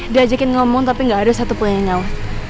diajakin ngomong tapi gak ada satu punya nyawa